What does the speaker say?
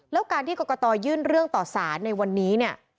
แล้วการที่กรกตยื่นเรื่องต่อสารในวันนี้เนี่ย